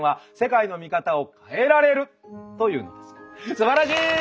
すばらしい！